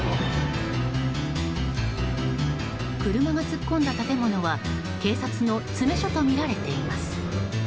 車が突っ込んだ建物は警察の詰め所とみられています。